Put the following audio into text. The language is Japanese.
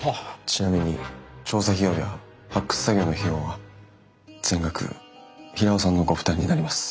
ちなみに調査費用や発掘作業の費用は全額平尾さんのご負担になります。